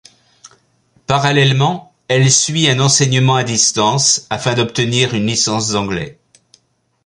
Parallèlement, elle suit un enseignement à distance afin d’obtenir une licence d’anglais.